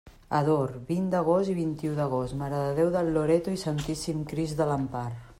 Ador: vint d'agost i vint-i-u d'agost, Mare de Déu del Loreto i Santíssim Crist de l'Empar.